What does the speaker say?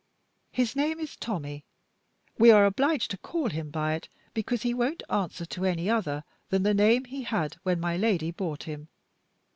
His name is Tommie. We are obliged to call him by it, because he won't answer to any other than the name he had when my Lady bought him.